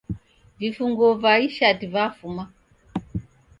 Vifunguo va ishati vafuma